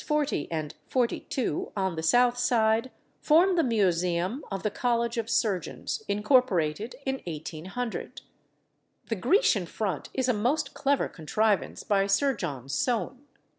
40 and 42, on the south side, form the Museum of the College of Surgeons, incorporated in 1800. The Grecian front is a most clever contrivance by Sir John Soane.